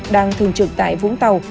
đang thường trực tại vũng tàu